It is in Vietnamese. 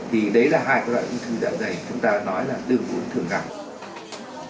thì đấy là hai loại ung thư dạ dày chúng ta nói là đơn u thượng gặp